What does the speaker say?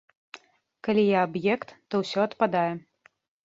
Калі я аб'ект, то ўсё адпадае.